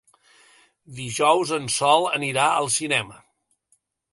Dijous en Sol anirà al cinema.